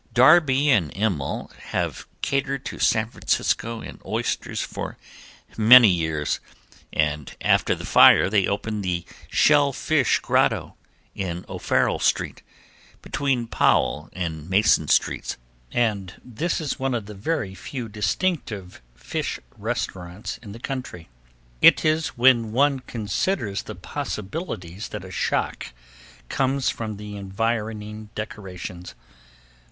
Darbee & Immel have catered to San Francisco in oysters for many years and after the fire they opened the Shell Fish Grotto, in O'Farrell street, between Powell and Mason streets, and this is one of the very few distinctive fish restaurants of the country. It is when one considers the possibilities that a shock comes from the environing decorations.